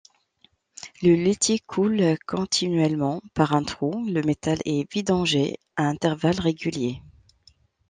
Le laitier coule continuellement par un trou, le métal est vidangé à intervalles réguliers.